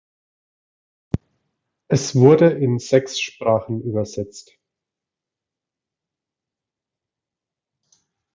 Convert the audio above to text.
Es wurde in sechs Sprachen übersetzt.